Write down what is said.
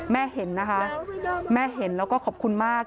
เห็นนะคะแม่เห็นแล้วก็ขอบคุณมาก